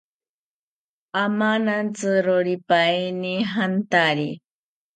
Amanantziroripaeni jantari